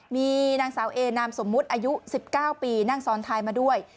มีนางสาวเอนามสมมุติอายุ๑๙ปีนั่งซ้อนท้ายมาด้วย